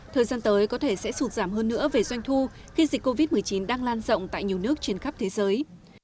thời gian tới có thể sẽ sụt giảm hơn nữa về doanh thu khi dịch covid một mươi chín đang lan rộng tại nhiều nước trên khắp thế giới